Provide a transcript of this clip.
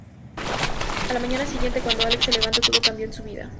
A la mañana siguiente, cuando Alex se levanta, todo cambió en su vida.